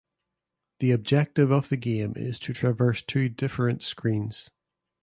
The objective of the game is to traverse two different screens.